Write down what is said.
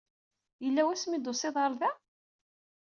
Yella wamsi ay d-tusiḍ ɣer da?